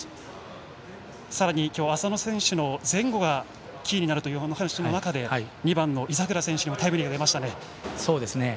さらに浅野選手の前後がキーになるというお話の中で２番の井櫻選手のタイムリーが出ましたね。